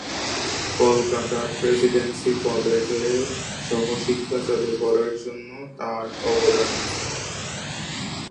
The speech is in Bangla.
কলকাতার প্রেসিডেন্সী কলেজে সহশিক্ষা চালু করার জন্য তাঁর অবদান আছে।